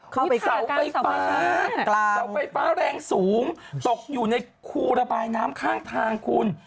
คือเสาไฟฟ้าเสาไฟฟ้าแรงสูงตกอยู่ในคูระบายน้ำข้างทางคุณ